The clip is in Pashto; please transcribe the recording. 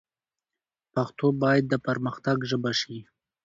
پښتو باید د پرمختګ ژبه شي.